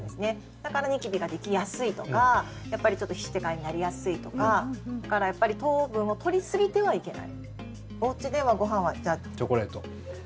だからニキビができやすいとか皮脂テカリになりやすいとかだからやっぱり糖分を取りすぎてはいけない。